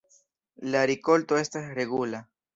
La rikolto estas regula.